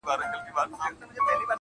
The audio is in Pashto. د غرمې پر ډوډۍ زما پر څنګ ناست وو.